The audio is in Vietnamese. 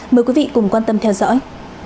mời quý vị cùng quan tâm theo dõi